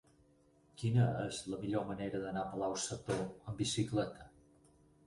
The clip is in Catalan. Quina és la millor manera d'anar a Palau-sator amb bicicleta?